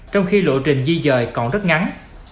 trong khi lộ trình di dời còn rất ngắn